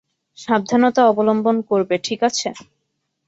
সাবধানতা অবলম্বন করবে, ঠিক আছে?